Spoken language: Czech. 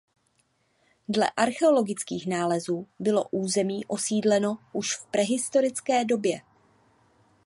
Dle archeologických nálezů bylo území osídleno už v prehistorické době.